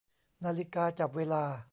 นาฬิกาจับเวลา